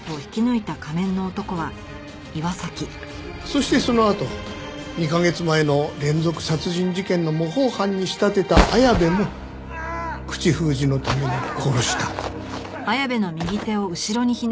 そしてそのあと２カ月前の連続殺人事件の模倣犯に仕立てた綾部も口封じのために殺した。